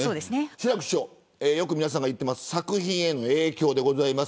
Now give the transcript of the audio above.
志らく師匠、よく皆さんが言っている作品への影響です。